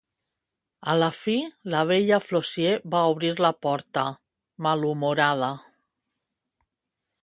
A la fi, la vella Flossie va obrir la porta, malhumorada.